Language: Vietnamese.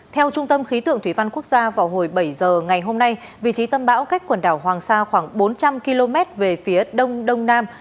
theo trung tâm khí tượng thủy văn quốc gia vào hồi bảy giờ ngày hôm nay vị trí tâm bão cách quần đảo hoàng sa khoảng bốn trăm linh km về phía đông đông nam